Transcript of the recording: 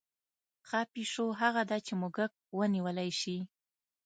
ښه پیشو هغه ده چې موږک ونیولی شي.